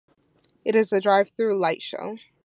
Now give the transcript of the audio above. It is a drive-through light show.